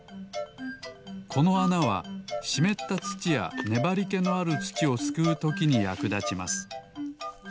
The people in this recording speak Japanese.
このあなはしめったつちやねばりけのあるつちをすくうときにやくだちます。